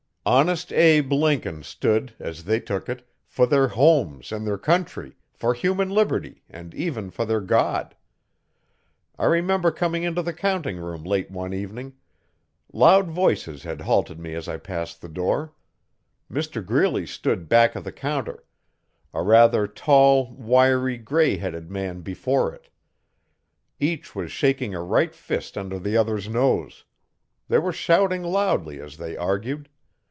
'Honest Abe' Lincoln stood, as they took it, for their homes and their country, for human liberty and even for their God. I remember coming into the counting room late one evening. Loud voices had halted me as I passed the door. Mr Greeley stood back of the counter; a rather tall, wiry grey headed man before it. Each was shaking a right fist under the other's nose. They were shouting loudly as they argued.